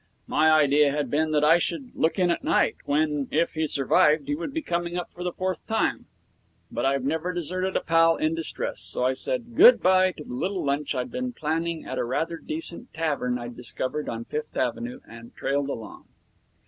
My idea had been that I should look in at night, when if he survived he would be coming up for the fourth time; but I've never deserted a pal in distress, so I said good bye to the little lunch I'd been planning at a rather decent tavern I'd discovered on Fifth Avenue, and trailed along.